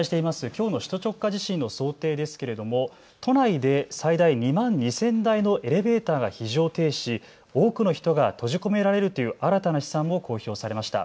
きょうの首都直下地震の想定ですけれども、都内で最大２万２０００台のエレベーターが非常停止し、多くの人が閉じ込められるという新たな試算も公表されました。